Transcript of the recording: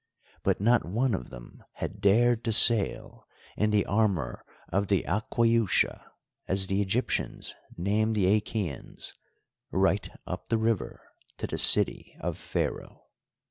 But not one of them had dared to sail in the armour of the Aquaiusha, as the Egyptians named the Achæans, right up the river to the city of Pharaoh.